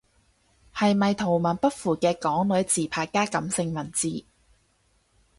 係咪圖文不符嘅港女自拍加感性文字？